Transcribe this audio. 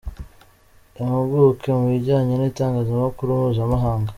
Impuguke mu bijyanye n’itangazamakuru mpuzamahanga, Dr.